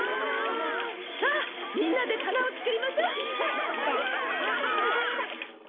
さあみんなでたなをつくりましょ！